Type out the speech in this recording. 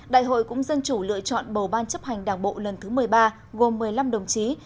đại hội cũng dân chủ lựa chọn bầu ban chấp hành đảng bộ lần thứ một mươi ba gồm một mươi năm đồng chí